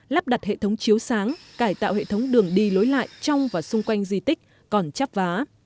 lắp đặt hệ thống chiếu sáng cải tạo hệ thống đường đi lối lại trong và xung quanh di tích còn chấp vá